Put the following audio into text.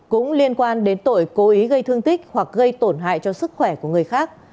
cũng liên quan đến tội cố ý gây thương tích hoặc gây tổn hại cho sức khỏe của người khác